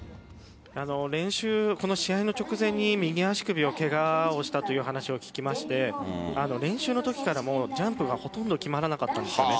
練習、この試合の直前に右足首のけがをした話を聞きまして練習のときからもジャンプがほとんど決まらなかったんです。